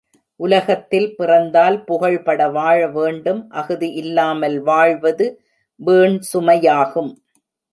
உலகத்தில் பிறந்தால் புகழ்பட வாழ வேண்டும் அஃது இல்லாமல் வாழ்வது வீண் சுமையாகும்.